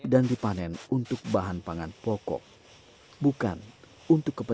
dan juga mengajarkan sikap